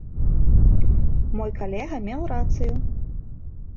Мой калега меў рацыю!